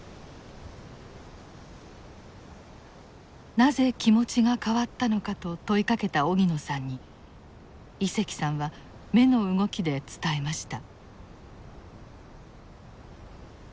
なぜ気持ちが変わったのかと問いかけた荻野さんに井関さんは目の動きで伝えました。